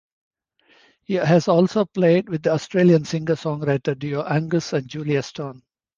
He has also played with the Australian singer-songwriter duo Angus and Julia Stone.